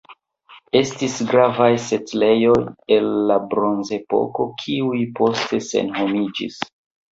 Estis gravaj setlejoj el la Bronzepoko, kiuj poste senhomiĝis.